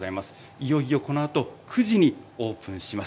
いよいよ、このあと９時にオープンします。